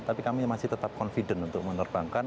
tapi kami masih tetap confident untuk menerbangkan